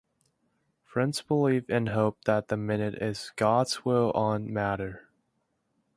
Friends believe and hope that the minute is God's will on the matter.